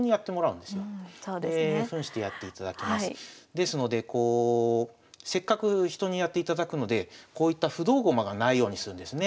ですのでこうせっかく人にやっていただくのでこういった不動駒がないようにするんですね。